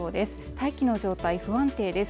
大気の状態不安定です